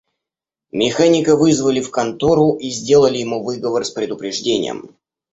Механика вызвали в контору и сделали ему выговор с предупреждением.